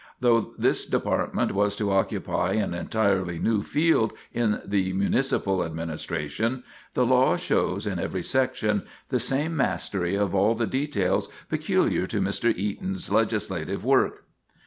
Though this Department was to occupy an entirely new field in the Municipal Administration, the law shows in every section the same mastery of all the details peculiar to Mr. Eaton's legislative work.